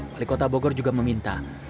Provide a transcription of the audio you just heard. wali kota bogor juga meminta